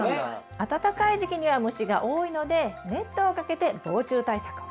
暖かい時期には虫が多いのでネットをかけて防虫対策を。